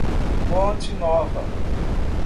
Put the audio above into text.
Ponte Nova